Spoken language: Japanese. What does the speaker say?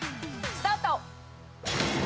スタート！